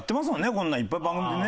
こんなんいっぱい番組でね。